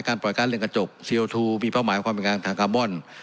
ปล่อยการเรียนกระจกเซียลทูมีเป้าหมายความเป็นการทางคาร์บอน